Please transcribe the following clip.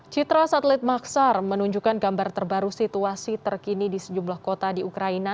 citra satelit maksar menunjukkan gambar terbaru situasi terkini di sejumlah kota di ukraina